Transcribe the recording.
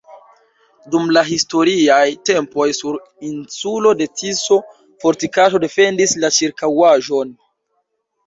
Dum la historiaj tempoj sur insulo de Tiso fortikaĵo defendis la ĉirkaŭaĵon.